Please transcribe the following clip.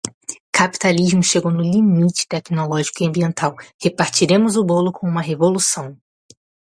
Capitalismo chegou no limite tecnológico e ambiental, repartiremos o bolo com uma revolução